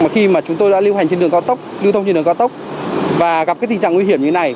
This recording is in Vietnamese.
khi mà chúng tôi đã lưu hành trên đường cao tốc lưu thông trên đường cao tốc và gặp cái tình trạng nguy hiểm như này